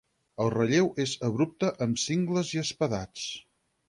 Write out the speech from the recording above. El relleu és abrupte amb cingles i espadats.